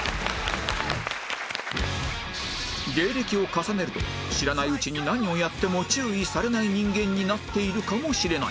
芸歴を重ねると知らないうちに何をやっても注意されない人間になっているかもしれない